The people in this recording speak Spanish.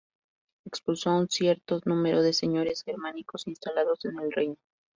Expulsó a un cierto número de señores germánicos instalados en el reino.